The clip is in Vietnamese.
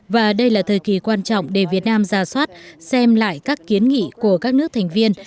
và đây là thời kỳ quan trọng để việt nam ra soát xem lại các kiến nghị của các nước thành viên